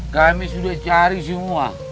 kami sudah cari semua